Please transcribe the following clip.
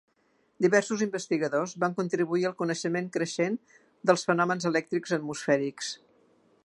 Diversos investigadors van contribuir al coneixement creixent dels fenòmens elèctrics atmosfèrics.